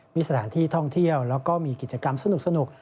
มีสถานที่ท่องเที่ยวแล้วก็มีกิจกรรมสนุก